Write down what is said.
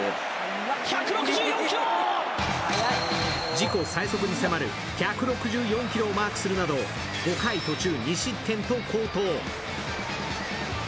自己最速に迫る１６４キロをマークするなど５回途中２失点と好投。